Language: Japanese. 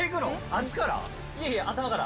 足から？